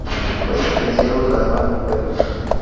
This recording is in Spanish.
Fue sentenciado a cadena perpetua.